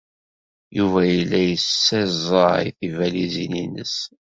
Yuba yella yessaẓay tibalizin-nnes.